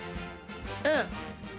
うん。